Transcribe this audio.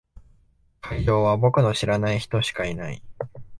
会場は僕の知らない人しかいない。